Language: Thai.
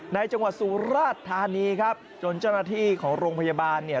จังหวัดสุราชธานีครับจนเจ้าหน้าที่ของโรงพยาบาลเนี่ย